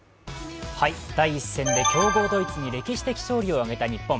第１戦で強豪・ドイツに歴史的勝利を挙げた日本。